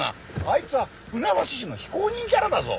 あいつは船橋市の非公認キャラだぞ。